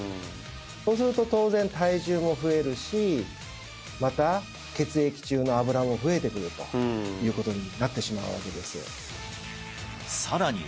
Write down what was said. そうすると当然体重も増えるしまた血液中の脂も増えてくるということになってしまうわけですさらに